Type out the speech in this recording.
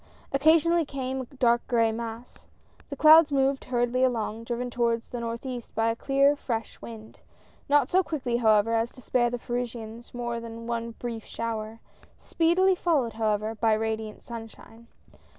Occasionally came a dark gray mass. The clouds moved hurriedl}^ along, driven towards the northeast by the clear fresh wind. Not so quickly, however, as to spare the Parisians more than one brief shower, speedily followed, how ever, by radiant sunshine.